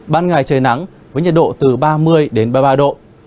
ban ngày trời nắng với nhiệt độ từ ba mươi đến ba mươi ba độ